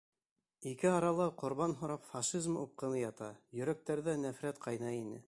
Ике арала ҡорбан һорап фашизм упҡыны ята, йөрәктәрҙә нәфрәт ҡайнай ине.